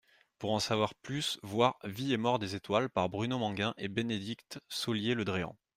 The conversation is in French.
Pour en savoir plus voir Vie et mort des étoiles par Bruno Manguin et Bénédicte Saulier-Le Dréan.